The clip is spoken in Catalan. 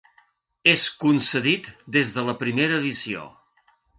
És concedit des de la primera edició.